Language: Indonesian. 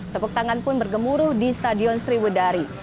tepuk tangan pun bergemuruh di stadion sriwedari